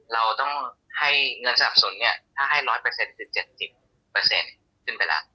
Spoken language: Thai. เราต้องให้เงินสนับสนุนเนี่ยถ้าให้๑๐๐คือ๗๐ขึ้นไปแล้ว